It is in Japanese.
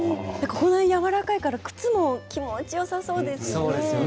こんなにやわらかいから靴も気持ちよさそうですね。